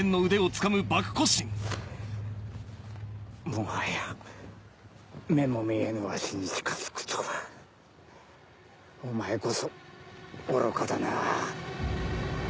もはや目も見えぬわしに近づくとはお前こそ愚かだな。